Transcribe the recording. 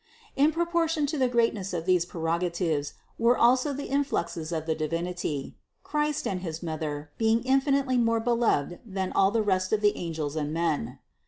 In proportion to the greatness of these preroga tives were also the influxes of the Divinity : Christ and his Mother being infinitely more beloved than all the rest of the angels and men.